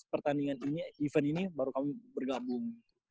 pertandingan ini baru kamu bergabung